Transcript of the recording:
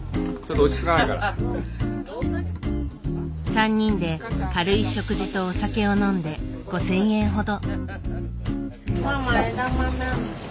３人で軽い食事とお酒を飲んで５，０００円ほど。